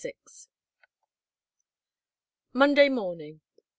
VI "_Monday Morning.